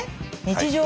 日常